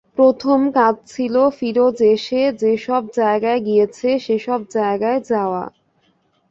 প্রথম কাজ ছিল ফিরোজ এসে যে-সব জায়গায় গিয়েছে, সে-সব জায়গায় যাওয়া।